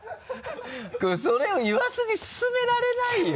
それを言わずに進められないよ。